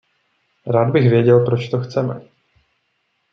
Rád bych věděl, proč to chceme.